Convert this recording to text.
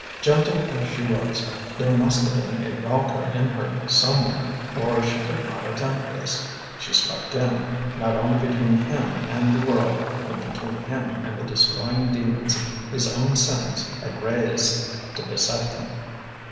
Gentle as she was, there must have been a Valkyr in her somewhere, or she could not attempt this. She swept in, not only between him and the world, but between him and the destroying demons his own sins had raised to beset him.